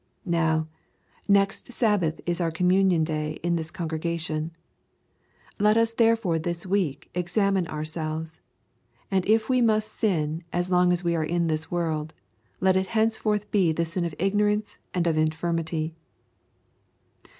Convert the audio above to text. Now, next Sabbath is our communion day in this congregation. Let us therefore this week examine ourselves. And if we must sin as long as we are in this world, let it henceforth be the sin of ignorance and of infirmity.